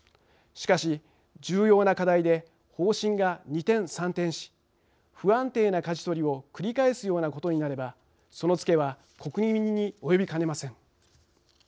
しかし重要な課題で方針が二転三転し不安定なかじ取りを繰り返すようなことになればそのツケは国民に及びかねません。